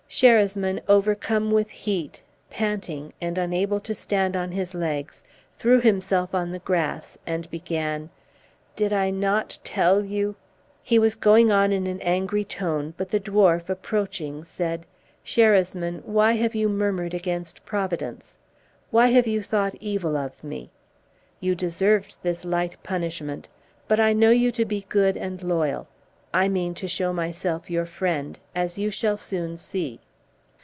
Sherasmin, overcome with heat, panting, and unable to stand on his legs, threw himself upon the grass, and began, "Did not I tell you" He was going on in an angry tone, but the dwarf, approaching, said, "Sherasmin, why have you murmured against Providence? Why have you thought evil of me? You deserved this light punishment; but I know you to be good and loyal; I mean to show myself your friend, as you shall soon see."